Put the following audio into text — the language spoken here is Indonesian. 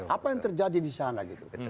apa yang terjadi di sana gitu